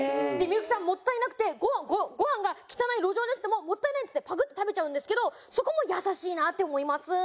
幸さんもったいなくてごはんが汚い路上に落ちても「もったいない」っつってパクッて食べちゃうんですけどそこも優しいなって思います！